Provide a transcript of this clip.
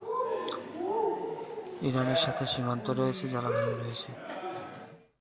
ইরানের সাথে সীমান্ত রয়েছে জলাভূমি রয়েছে।